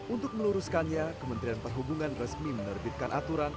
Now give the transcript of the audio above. untuk meluruskannya kementerian perhubungan resmi menerbitkan aturan